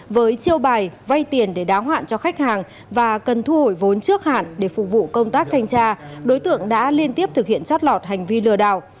với chiêu bài vay tiền để đáo hoạn cho khách hàng và cần thu hồi vốn trước hạn để phục vụ công tác thanh tra đối tượng đã liên tiếp thực hiện chót lọt hành vi lừa đảo